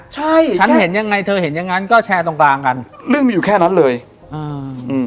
ใช่ฉันเห็นยังไงเธอเห็นอย่างงั้นก็แชร์ตรงกลางกันเรื่องมีอยู่แค่นั้นเลยอ่าอืม